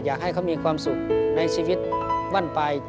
อยากให้เขามีความสุขในชีวิตมั่นไป